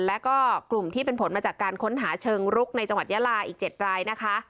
แล้วก็กลุ่มที่เป็นผลมาจากการค้นหาเชิงรุกในจังหวัดยาลาอีก๗รายนะคะ